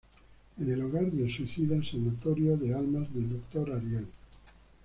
En el Hogar del Suicida, sanatorio de almas del doctor Ariel.